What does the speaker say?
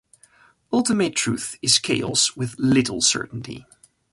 Ultimate truth is chaos with little certainty.